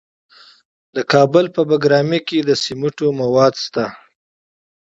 د کابل په بګرامي کې د سمنټو مواد شته.